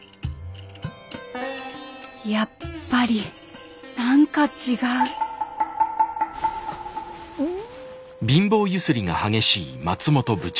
やっぱり何か違うん。